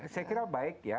saya kira baik ya